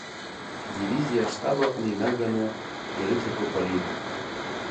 Ҳдивизиа аштаб аҟны инаганы ирыҭатәуп ари.